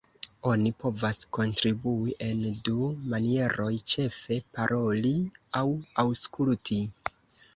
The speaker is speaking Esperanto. Oni povas kontribui en du manieroj, ĉefe: "Paroli" aŭ "Aŭskulti".